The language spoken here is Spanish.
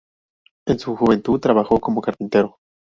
En su juventud trabajó como carpintero.